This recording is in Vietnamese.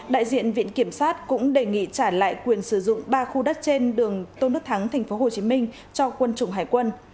đại diện viện kiểm sát cũng đề nghị trả lại quyền sử dụng ba khu đất trên đường tôn đức thắng tp hcm cho quân chủng hải quân